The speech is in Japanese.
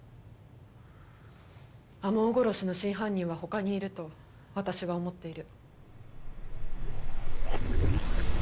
天羽殺しの真犯人は他にいると私は思っている。